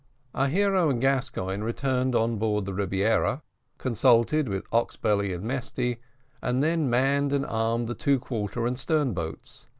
Our hero and Gascoigne returned on board the Rebiera, consulted with Oxbelly and Mesty, and then manned and armed the two quarter and stern boats.